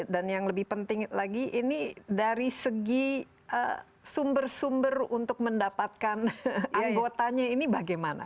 dan yang lebih penting lagi ini dari segi sumber sumber untuk mendapatkan anggotanya ini bagaimana